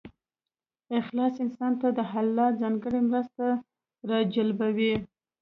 اخلاص انسان ته د الله ځانګړې مرسته راجلبوي.